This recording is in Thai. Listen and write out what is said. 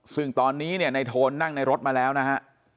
ซึ่งตอนนี้เนี่ยในโทนนั่งในรถมาแล้วนะฮะ